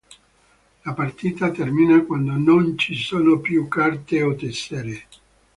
La partita termina quando non ci sono più carte o tessere.